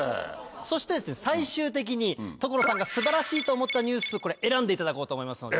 そして最終的に所さんが素晴らしいと思ったニュースを選んでいただこうと思いますので。